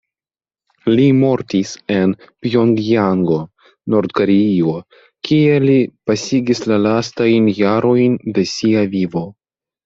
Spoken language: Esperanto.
Li mortis en Pjongjango, Nord-Koreio kie li pasigis la lastajn jarojn de sia vivo.